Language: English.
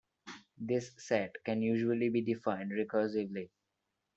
This set can usually be defined recursively.